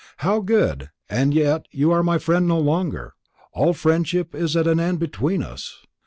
"How good! and yet you are my friend no longer; all friendship is at an end between us.